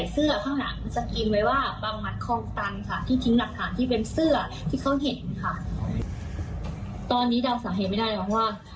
เสื้อที่เขาเห็นค่ะตอนนี้เดาสาเหตุไม่ได้หรอกว่า